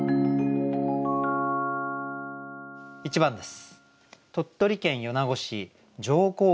１番です。